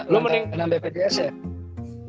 lu mending langgan bpjs ya